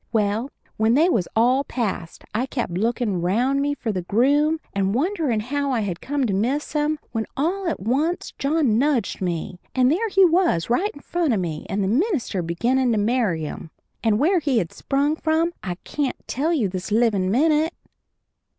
Well, when they was all past, I kept lookin' round me for the groom and wonderin' how I had come to miss him, when all at once John nudged me, and there he was right in front of me and the minister beginnin' to marry 'em, and where he had sprung from I can't tell you this livin' minute!